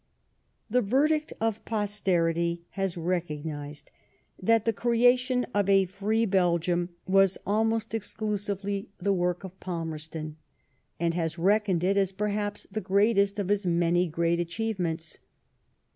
The verdict of posterity has recognised that the crea tion of a free Belgium was almost exclusively the work 4 50 LIFE OF VISCOUNT PALMEB8T0N. of Palmerston, and has reckoned it as perhaps the greatest of his many great achievements.